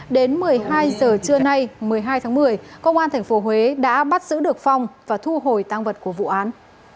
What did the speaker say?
đến một mươi hai giờ trưa nay một mươi hai tháng một mươi công an tp huế đã bắt giữ được phong và thu hồi tăng vật của vụ án